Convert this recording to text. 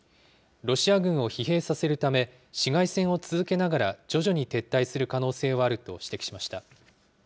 ロシア軍を疲弊させるため市街戦を続けながら、徐々に撤退する可能性はあると指摘しました。